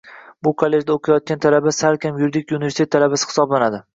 Bu kollejda oʻqiyotgan talaba salkam yuridik universitet talabasi hisoblanadi!